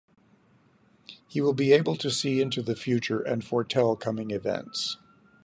He will be able to see into the future and foretell coming events.